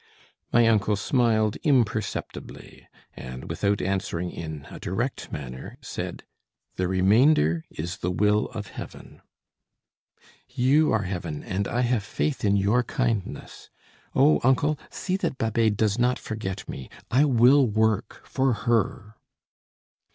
My uncle smiled imperceptibly; and, without answering in a direct manner, said: "The remainder is the will of Heaven." "You are heaven, and I have faith in your kindness. Oh! uncle, see that Babet does not forget me. I will work for her."